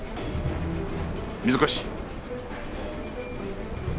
水越。